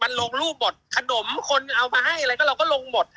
มันลงรูปหมดขนมคนเอามาให้อะไรก็เราก็ลงหมด